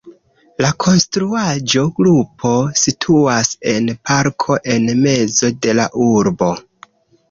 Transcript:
La konstruaĵo-grupo situas en parko en mezo de la urbo.